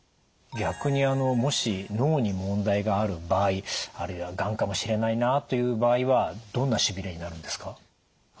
逆にもし脳に問題がある場合あるいはがんかもしれないなという場合はどんなしびれになるんですか？